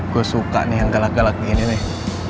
gue suka nih yang galak galak gini nih